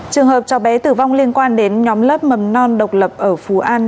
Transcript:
trường hợp cháu bé tử vong liên quan đến nhóm lớp mầm non độc lập ở phú an